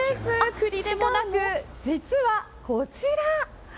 栗でもなく実はこちら！